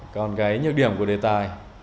còn cái nhược điểm của đề tài